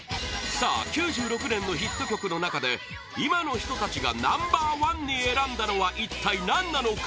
さあ、９６年のヒット曲の中で今の人たちがナンバー１に選んだのは、一体何なのか！？